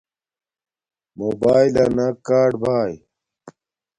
موباݵلنا کاڈ باݵ